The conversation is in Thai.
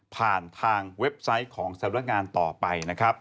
ผ่านทางเว็บไซต์ของสำนักงานต่อไปนะครับ